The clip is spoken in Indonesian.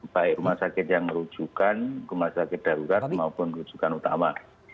baik rumah sakit yang merujukan rumah sakit darurat maupun rujukan utama